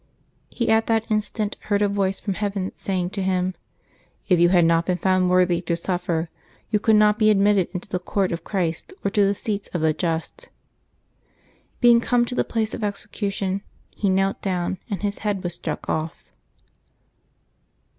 '^ He at that instant heard a voice from heaven saying to him, " If j^ou had not been found worthy to suffer, you could not be admitted into the court of Christ or to the seats of the just." Being come to the place of execution, he knelt down, and his head was struck off.